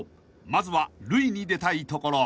［まずは塁に出たいところ］